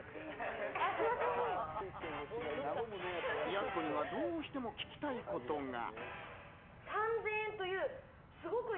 やす子にはどうしても聞きたいことが。